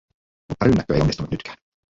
Mutta rynnäkkö ei onnistunut nytkään.